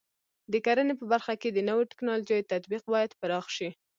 د کرنې په برخه کې د نوو ټکنالوژیو تطبیق باید پراخ شي.